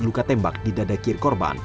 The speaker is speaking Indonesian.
luka tembak di dada kiri korban